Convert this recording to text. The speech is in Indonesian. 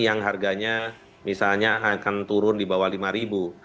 yang harganya misalnya akan turun di bawah rp lima